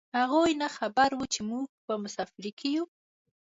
هغوی نه خبر و چې موږ په مسافرۍ کې یو.